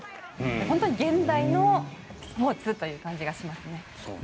本当に現代のスポーツという感じがしますね。